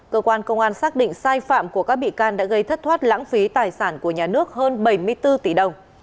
cơ quan công an xác định sai phạm của các bị can đã gây thất thoát lãng phí tài sản của nhà nước hơn bảy mươi bốn tỷ đồng